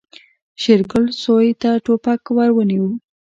شېرګل سوی ته ټوپک ور ونيو.